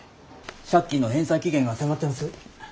借金の返済期限が迫ってます。